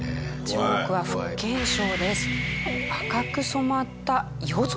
中国は福建省です。